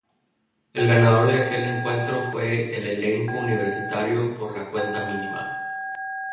El ganador de aquel encuentro fue el elenco universitario por la cuenta mínima.